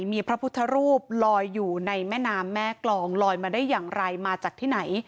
มีพระพุทธรูปลอยอยู่ในแม่น้ำแม่กรองลอยมาได้อย่างไรมาจากที่ไหน